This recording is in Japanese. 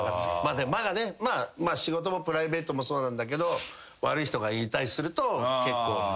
でも間がね仕事もプライベートもそうなんだけど悪い人がいたりすると結構。